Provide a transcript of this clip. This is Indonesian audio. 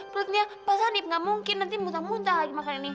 perutnya pak salif gak mungkin nanti muntah muntah lagi makan ini